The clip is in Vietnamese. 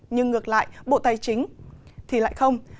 nhưng ngược lại bộ tài chính thì lại không